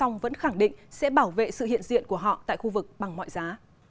sau lưng song vẫn khẳng định sẽ bảo vệ sự hiện diện của họ tại khu vực bằng mọi giá